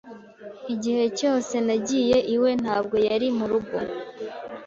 Igihe cyose nagiye iwe, ntabwo yari mu rugo.